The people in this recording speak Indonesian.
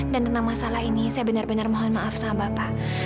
dan tentang masalah ini saya benar benar mohon maaf sama bapak